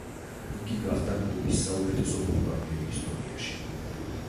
იგი გახდა კლუბის საუკეთესო ბომბარდირი ისტორიაში.